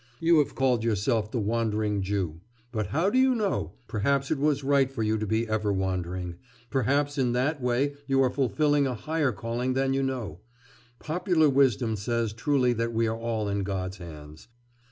You have called yourself the Wandering Jew.... But how do you know, perhaps it was right for you to be ever wandering, perhaps in that way you are fulfilling a higher calling than you know; popular wisdom says truly that we are all in God's hands.